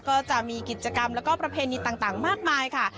ก็จะมีกิจกรรมแล้วก็ประเพณีต่างมากมายค่ะ